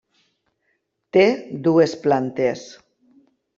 Té dues plantes.